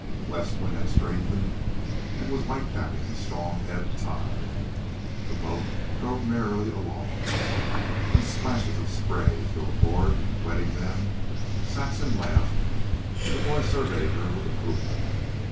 The west wind had strengthened and was whitecapping the strong ebb tide. The boat drove merrily along. When splashes of spray flew aboard, wetting them, Saxon laughed, and the boy surveyed her with approval.